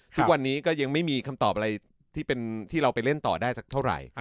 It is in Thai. ทุกวันนี้ก็ยังไม่มีคำตอบอะไรที่เราไปเล่นต่อได้สักเท่าไหร่